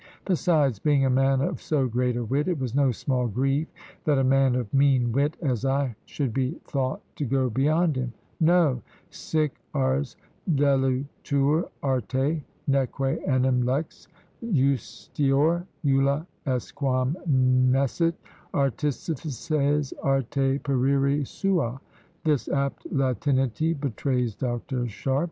Besides, being a man of so great a wit, it was no small grief that a man of mean wit as I should be thought to go beyond him. No? Sic ars deluditur arte. Neque enim lex justior ulla est quam necis artifices arte perire suâ. [This apt latinity betrays Dr. Sharpe.